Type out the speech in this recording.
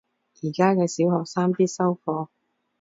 而家嘅小學生必修課